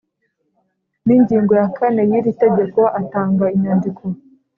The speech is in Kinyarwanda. n ingingo ya kane y iri tegeko atanga inyandiko